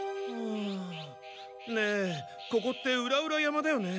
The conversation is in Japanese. ねえここって裏々山だよね。